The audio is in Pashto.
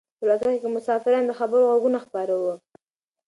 په الوتکه کې د مسافرانو د خبرو غږونه خپاره وو.